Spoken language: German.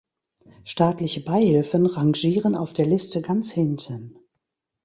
Staatliche Beihilfen rangieren auf der Liste ganz hinten.